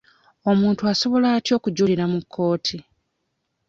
Omuntu asobola atya okujulira mu kkooti?